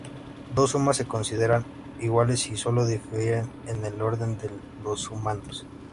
Dos sumas se considerarán iguales si solo difieren en el orden de los sumandos.